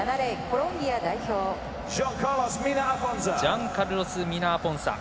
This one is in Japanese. ジャンカルロス・ミナアポンサ。